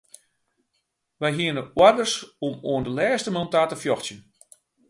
Wy hiene oarders om oan de lêste man ta te fjochtsjen.